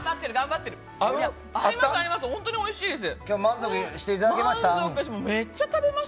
本当においしいです。